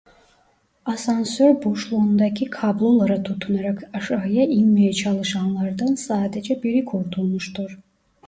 Asansör boşluğundaki kablolara tutunarak aşağıya inmeye çalışanlardan sadece biri kurtulmuştur.